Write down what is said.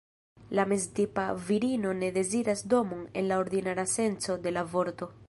La meztipa virino ne deziras domon en la ordinara senco de la vorto.